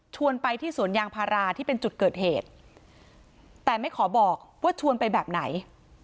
ไปที่สวนยางพาราที่เป็นจุดเกิดเหตุแต่ไม่ขอบอกว่าชวนไปแบบไหน